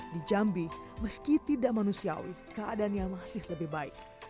di jambi meski tidak manusiawi keadaannya masih lebih baik